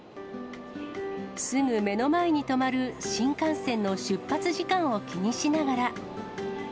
すぐ目の前に止まる新幹線の出発時間を気にしながら。